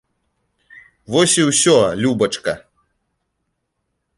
Вось і ўсё, любачка!